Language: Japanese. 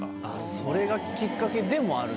それがきっかけでもあるんだじゃあ。